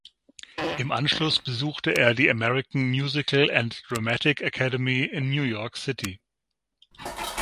Im Anschluss besuchte er die American Musical and Dramatic Academy in New York City.